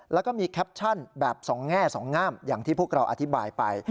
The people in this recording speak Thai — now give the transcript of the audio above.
แล้วก็มีแคปชั่นแบบสองแง่สองงามอย่างที่พวกเราอธิบายไป